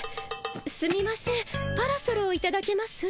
すみませんパラソルをいただけます？